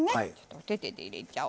お手々で入れちゃおう。